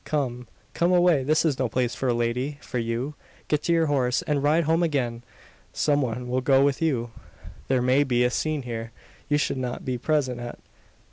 Come come away! This is no place for a lady for you. Get to your horse, and ride home again. Some one will go with you. There may be a scene here, you should not be present at.